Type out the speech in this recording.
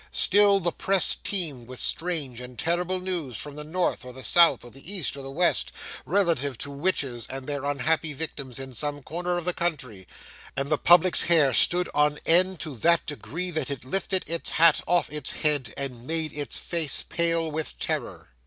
Still the press teemed with strange and terrible news from the North or the South, or the East or the West, relative to witches and their unhappy victims in some corner of the country, and the Public's hair stood on end to that degree that it lifted its hat off its head, and made its face pale with terror.